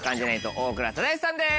大倉忠義さんです。